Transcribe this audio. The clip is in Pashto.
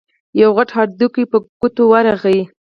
يو غټ هډوکی په ګوتو ورغی.